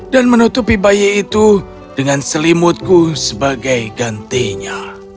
dan menutupi bayi itu dengan selimutku sebagai gantinya